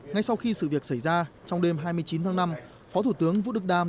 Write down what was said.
ngay sau khi sự việc xảy ra trong đêm hai mươi chín tháng năm phó thủ tướng vũ đức đam